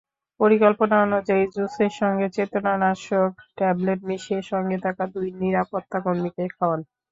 পরিকল্পনা অনুযায়ী জুসের সঙ্গে চেতনানাশক ট্যাবলেট মিশিয়ে সঙ্গে থাকা দুই নিরাপত্তাকর্মীকে খাওয়ান।